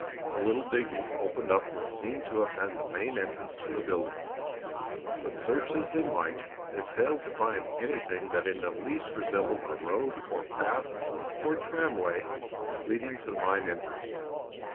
A little digging opened up what seemed to have been the main entrance to the building, but, search as they might, they failed to find anything that in the least resembled a road or path or tramway leading to the mine entrance.